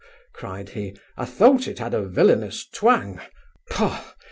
(cried he) I thought it had a villainous twang pah!